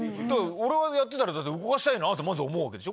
俺がやってたら動かしたいなってまず思うわけでしょ。